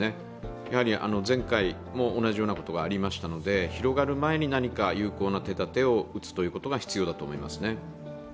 やはり前回も同じようなことがありましたので広がる前に何か有効な手立てを打つことが必要だと思いますね。